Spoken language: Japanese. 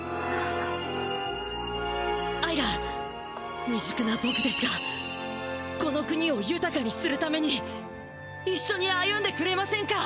アイラみじゅくなボクですがこの国をゆたかにするためにいっしょに歩んでくれませんか？